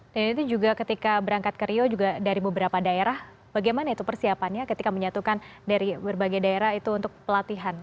dan itu juga ketika berangkat ke rio juga dari beberapa daerah bagaimana itu persiapannya ketika menyatukan dari berbagai daerah itu untuk pelatihan